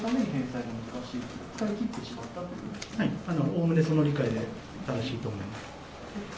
おおむねその理解で正しいと思います。